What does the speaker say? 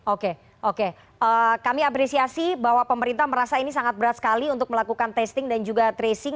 oke oke kami apresiasi bahwa pemerintah merasa ini sangat berat sekali untuk melakukan testing dan juga tracing